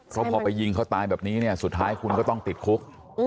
เพราะพอไปยิงเขาตายแบบนี้เนี่ยสุดท้ายคุณก็ต้องติดคุก